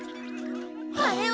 あれは！